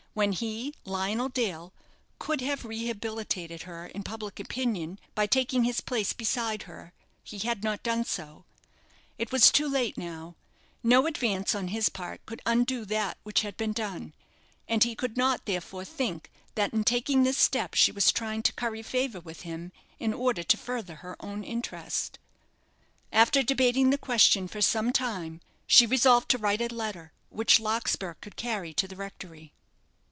When he, Lionel Dale, could have rehabilitated her in public opinion by taking his place beside her, he had not done so; it was too late now, no advance on his part could undo that which had been done, and he could not therefore think that in taking this step she was trying to curry favour with him in order to further her own interest. After debating the question for some time, she resolved to write a letter, which Larkspur could carry to the rectory.